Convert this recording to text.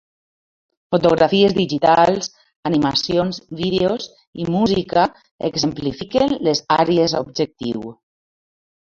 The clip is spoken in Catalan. Fotografies digitals, animacions, vídeos i música exemplifiquen les àrees objectiu.